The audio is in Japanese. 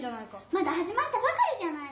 まだはじまったばかりじゃないの。